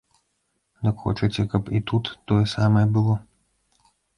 Дык хочаце, каб і тут тое самае было?